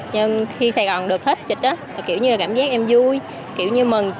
nhưng khi sài gòn được hết trịch á kiểu như là cảm giác em vui kiểu như mừng